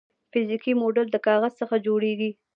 فزیکي موډل د کاغذ څخه جوړیږي.